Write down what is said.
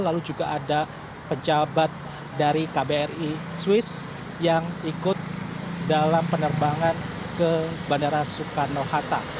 lalu juga ada pejabat dari kbri swiss yang ikut dalam penerbangan ke bandara soekarno hatta